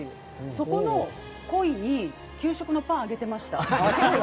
そこのコイに給食のパンあげてました。